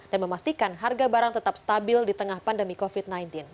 dan memastikan harga barang tetap stabil di tengah pandemi covid sembilan belas